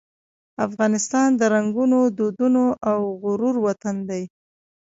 افغانستان د رنګونو، دودونو او غرور وطن دی.